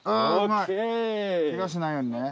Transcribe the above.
ケガしないようにね。